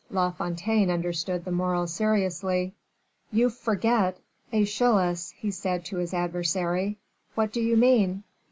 La Fontaine understood the moral seriously. "You forget Aeschylus," he said, to his adversary. "What do you mean?"